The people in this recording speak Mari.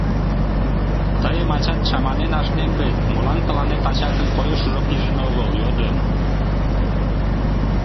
— Тыйым ачат чаманен ашнен вет, молан тыланет ачатын койышыжо пижын огыл? — йодым.